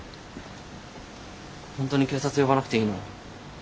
本当に警察呼ばなくていいの？